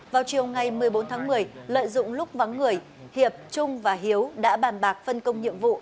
vào chiều ngày một mươi bốn tháng một mươi lợi dụng lúc vắng người hiệp trung và hiếu đã bàn bạc phân công nhiệm vụ